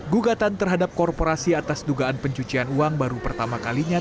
gugatan terhadap korporasi atas dugaan pencucian uang baru pertama kalinya